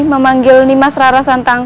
memanggil nimas rara santan